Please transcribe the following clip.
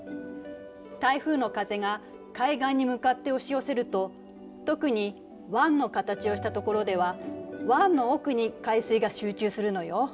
台風の風が海岸に向かって押し寄せると特に湾の形をしたところでは湾の奥に海水が集中するのよ。